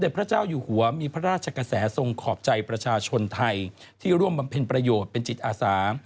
พระเจ้าอยู่หัวมีพระราชกระแสทรงขอบใจประชาชนไทยที่ร่วมบำเพ็ญประโยชน์เป็นจิตอาสา